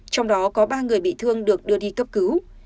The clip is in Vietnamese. trong đó có ba người bị thương được đưa đi cấp cứu